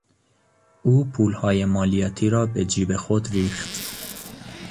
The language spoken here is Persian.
او پولهای مالیاتی را به جیب خود ریخت.